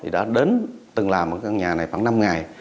đã đến từng làm ở căn nhà này khoảng năm ngày